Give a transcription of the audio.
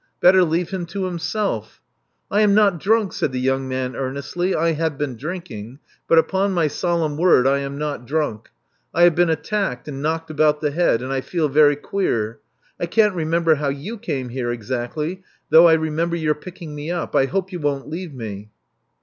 Better leave him to himself/* I am not drunk," said the young man earnestly '*I have been drinking; but upon my solemn word I am not drunk. I have been attacked and knocked about the head; and I feel very queer. I can't remember how you came here exactly, though I remember your picking me up. I hope you won't leave me."